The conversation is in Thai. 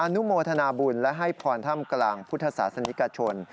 นุโมทนาบุญและให้พรถ้ำกลางพุทธศาสนิกชน